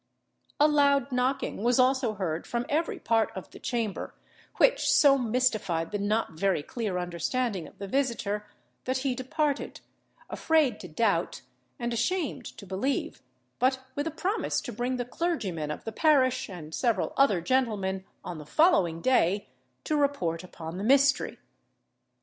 A loud knocking was also heard from every part of the chamber, which so mystified the not very clear understanding of the visitor, that he departed, afraid to doubt and ashamed to believe, but with a promise to bring the clergyman of the parish and several other gentlemen on the following day, to report upon the mystery.